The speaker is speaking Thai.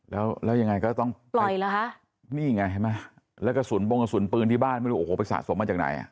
แล้วยังไงก็ต้องนี่ไงแล้วกระสุนปรงกระสุนปืนที่บ้านไปสะสมมาจากไหน